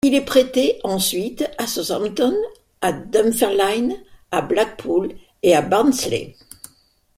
Il est prêté ensuite à Southampton, à Dunfermline, à Blackpool et à Barnsley.